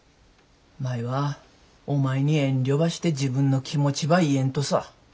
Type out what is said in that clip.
舞はお前に遠慮ばして自分の気持ちば言えんとさ。